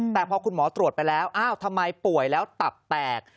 แต่พอคุณหมอตรวจไปแล้วอ้าวทำไมป่วยแล้วตับแตก